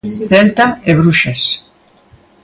Celta e Bruxas.